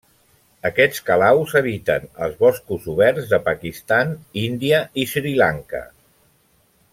Aquests calaus habiten els boscos oberts de Pakistan, Índia i Sri Lanka.